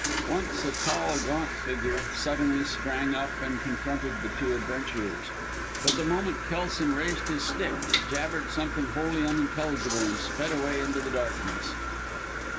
Once a tall, gaunt figure, suddenly sprang up and confronted the two adventurers; but the moment Kelson raised his stick, it jabbered something wholly unintelligible, and sped away into the darkness.